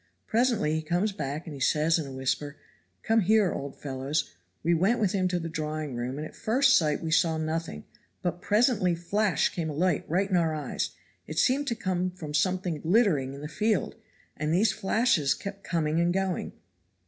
Presently he comes back and he says in a whisper, "Come here, old fellows." We went with him to the drawing room, and at first sight we saw nothing, but presently flash came a light right in our eyes; it seemed to come from something glittering in the field. And these flashes kept coming and going.